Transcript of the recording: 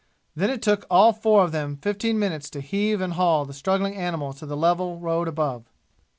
Then it took all four of them fifteen minutes to heave and haul the struggling animal to the level road above.